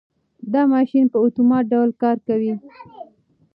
دا ماشین په اتومات ډول کار کوي.